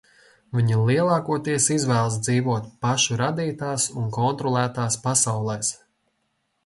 Viņi lielākoties izvēlas dzīvot pašu radītās un kontrolētās pasaulēs.